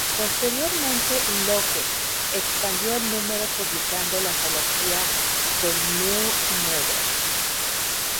Posteriormente, Locke expandió el número publicando la antología "The New Negro".